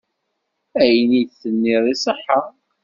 Ayen i d-tenniḍ iṣeḥḥa.